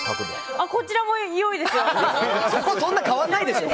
こちらも良いですよ。